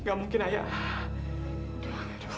nggak mungkin ayah